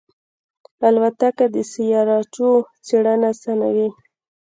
الوتکه د سیارچو څېړنه آسانوي.